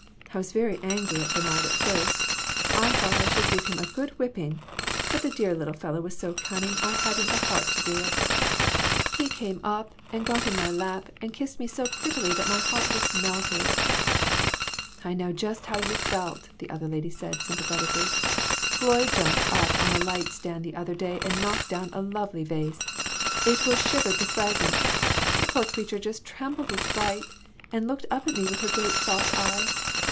I was very angry at Bernard at first. I thought I should give him a good whipping, but the dear little fellow was so cunning I hadn't the heart to do it. He came and got up in my lap WITHOUT ARE DOGS. 26/ and kissed me so prettily that my heart just melted." "I know just how you felt," the other lady said, sympathetically. "Floy jumped up on a light stand the other day and knocked down a lovely vase. It was shivered to fragments. The poor creature just trembled with fright, and looked up at me with her great soft eyes.